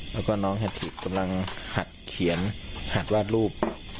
แล้วก็น้องหัฐิกำลังหัดเขียนหัดวาดรูป